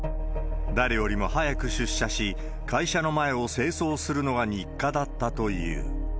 誰よりも早く出社し、会社の前を清掃するのが日課だったという。